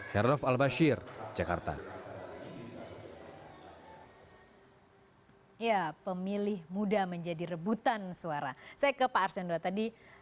herdhof al bashir jakarta ya pemilih muda menjadi rebutan suara saya ke pak arsindo tadi